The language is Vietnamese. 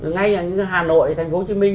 ngay như hà nội thành phố hồ chí minh